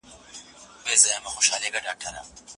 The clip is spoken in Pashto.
افغانستان د نړیوالو فرصتونو څخه بشپړه استفاده نه کوي.